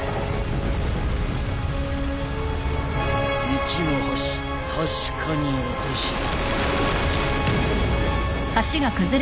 一の橋確かに落とした。